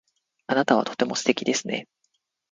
あなたはとても素敵ですね。